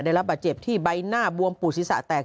ได้รับบาดเจ็บที่ใบหน้าบวมปูดศีรษะแตก